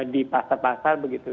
di pasar pasar begitu